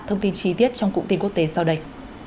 thông tin chi tiết trong cụm tin quốc tế sau đây